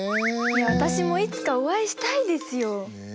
私もいつかお会いしたいですよ。